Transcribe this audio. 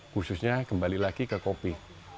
khususnya kembali lagi ke kopi